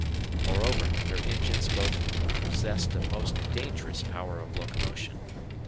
Moreover, their engines both possessed a most dangerous power of locomotion.